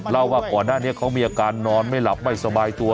เล่าว่าก่อนหน้านี้เขามีอาการนอนไม่หลับไม่สบายตัว